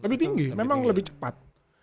lebih tinggi memang lebih cepat